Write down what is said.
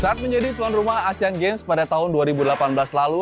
saat menjadi tuan rumah asean games pada tahun dua ribu delapan belas lalu